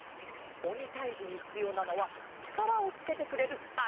おにたいじにひつようなのはちからをつけてくれるあれだわん。